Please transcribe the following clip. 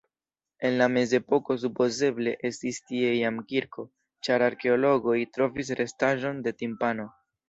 En la mezepoko supozeble estis tie jam kirko, ĉar arkeologoj trovis restaĵon de timpano.